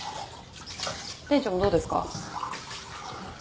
店長もどうですか？